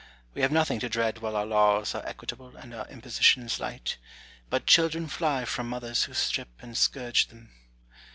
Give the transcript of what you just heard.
We have nothing to dread while our laws are equitable and our impositions light : but children fly from mothers who strip and scourge them.